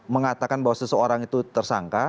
mengatakan bahwa seseorang itu tersangka